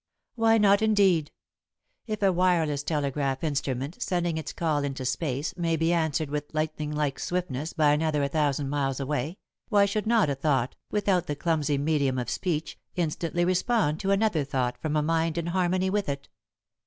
Why not, indeed? If a wireless telegraph instrument, sending its call into space, may be answered with lightning like swiftness by another a thousand miles away, why should not a thought, without the clumsy medium of speech, instantly respond to another thought from a mind in harmony with it?